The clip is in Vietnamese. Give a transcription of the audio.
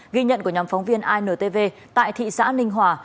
ghi nhận của nhóm phóng viên intv tại thị xã ninh hòa